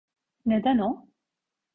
Neden o?